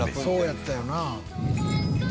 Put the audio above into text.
そうやったよな。